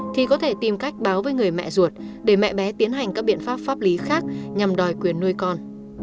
thì có thể tìm cách báo với người mẹ ruột để mẹ bé tiến hành các biện pháp pháp lý khác nhằm đòi quyền nuôi con